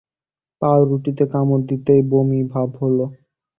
পাউরুটিতে কামড় দিতেই বমি-ভাব হল।